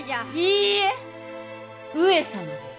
いいえ上様です。